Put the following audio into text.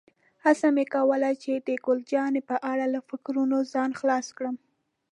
هڅه مې کوله چې د ګل جانې په اړه له فکرونو ځان خلاص کړم.